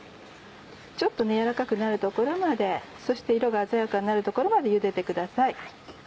ちょっと軟らかくなるところまでそして色が鮮やかになるところまでゆでてください。